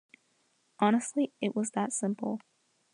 Honestly it was that simple.